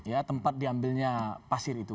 ya tempat diambilnya pasir itu